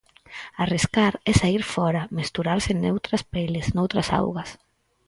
Arriscar é saír fóra, mesturarse noutras peles, noutras augas.